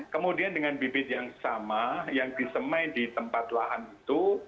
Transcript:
kemudian dengan bibit yang sama yang disemai di tempat lahan itu